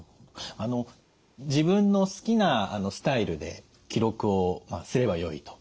あの自分の好きなスタイルで記録をすればよいと。